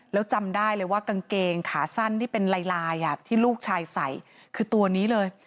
แล้วจำได้เลยว่ากางเกงขาสั้นที่เป็นลายลายที่ลูกชายใส่คือตัวนี้เลย